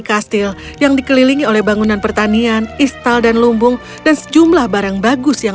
kastil yang dikelilingi oleh bangunan pertanian istal dan lumbung dan sejumlah barang bagus yang